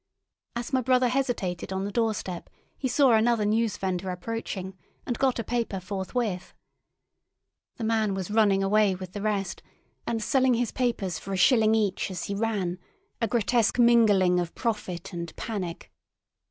As my brother hesitated on the door step, he saw another newsvendor approaching, and got a paper forthwith. The man was running away with the rest, and selling his papers for a shilling each as he ran—a grotesque mingling of profit and panic.